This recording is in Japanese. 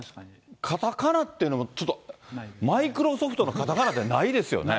カタカナっていうのも、ちょっと、マイクロソフトのカタないですね。